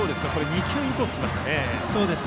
２球、インコース来ましたね。